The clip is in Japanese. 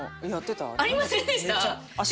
ありませんでした？